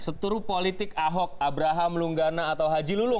seturu politik ahok abraham lunggana atau haji lulung